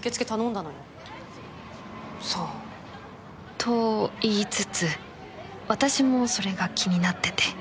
と言いつつ私もそれが気になってて